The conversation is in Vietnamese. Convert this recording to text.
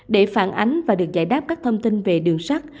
để phản ánh và được giải đáp các thông tin về đường sắt